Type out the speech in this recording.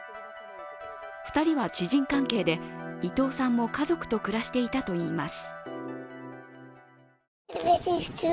２人は知人関係で、伊藤さんも家族と暮らしていたといいます。